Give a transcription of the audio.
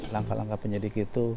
langkah langkah penyelidiki itu